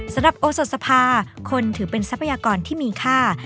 สำหรับโอสดสภาคนถือเป็นทรัพยากรที่มีค่า